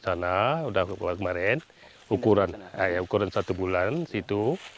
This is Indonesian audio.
di sana udah kemarin ukuran satu bulan situ